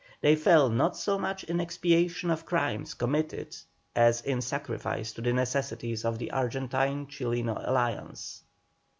They fell not so much in expiation of crimes committed as in sacrifice to the necessities of the Argentine Chileno Alliance.